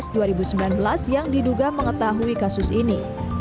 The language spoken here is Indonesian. dan kemudian disahui kasus ini